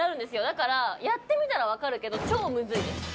だからやってみたらわかるけど超むずいです。